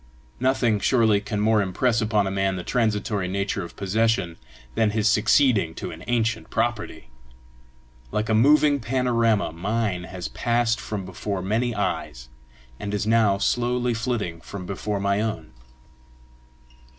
Nothing surely can more impress upon a man the transitory nature of possession than his succeeding to an ancient property! Like a moving panorama mine has passed from before many eyes, and is now slowly flitting from before my own.